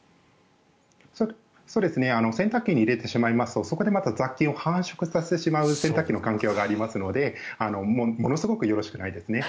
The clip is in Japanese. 洗濯機に入れてしまいますとそこでまた雑菌を繁殖させてしまう洗濯機の環境がありますのでものすごくよろしくないですね。